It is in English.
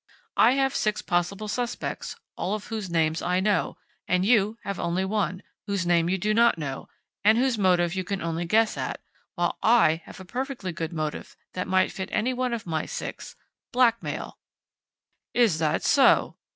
I have six possible suspects, all of whose names I know, and you have only one whose name you do not know, and whose motive you can only guess at, while I have a perfectly good motive that might fit any one of my six blackmail!" "Is that so?"